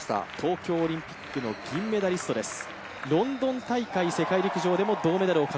東京オリンピックの銀メダリストです。